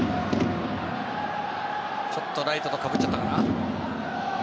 ちょっとライトとかぶっちゃったかな。